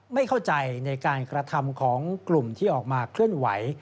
ไม่เข้าใจในการกระทำของกลุ่มที่ออกมาเคลื่อนไหว